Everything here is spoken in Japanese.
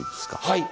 はい。